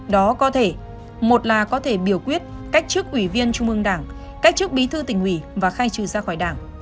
đó có thể một là có thể biểu quyết cách chức ủy viên trung ương đảng cách chức bí thư tỉnh ủy và khai trừ ra khỏi đảng